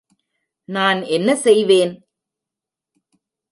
நான் என்ன செய்வேன்?